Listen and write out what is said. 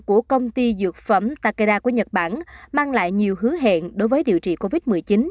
của công ty dược phẩm takeda của nhật bản mang lại nhiều hứa hẹn đối với điều trị covid một mươi chín